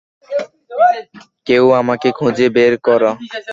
কেউ আমাকে খুঁজে বের কর!